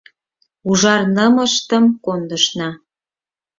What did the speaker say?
Ужар нымыштым кондышна